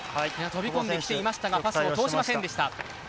飛び込んできていましたが、パスを通しませんでした。